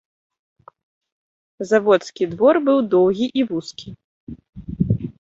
Заводскі двор быў доўгі і вузкі.